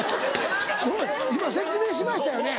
今説明しましたよね